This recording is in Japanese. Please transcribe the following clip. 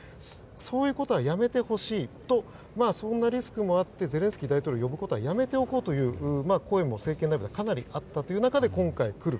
そういうことはやめてほしいとそんなリスクもあってゼレンスキー大統領、呼ぶことはやめておこうという声も政権内部ではかなりあったという中で今回、来る。